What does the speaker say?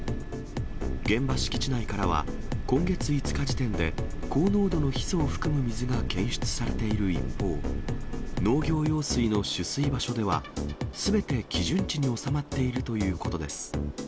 現場敷地内からは、今月５日時点で高濃度のヒ素を含む水が検出されている一方、農業用水の取水場所では、すべて基準値に収まっているということです。